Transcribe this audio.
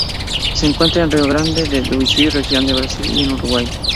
Se encuentra en Rio Grande do Sul región de Brasil y en Uruguay.